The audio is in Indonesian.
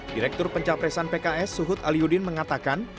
direktur pencapresan pks suhut aliuddin mengatakan